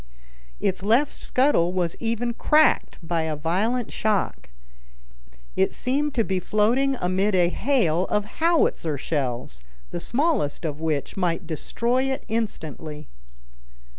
Its left scuttle was even cracked by a violent shock. It seemed to be floating amid a hail of howitzer shells, the smallest of which might destroy it instantly.